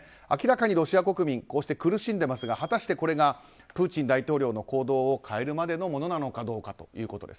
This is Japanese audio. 明らかにロシア国民苦しんでいますが果たしてこれがプーチン大統領の行動を変えるまでのものなのかどうか。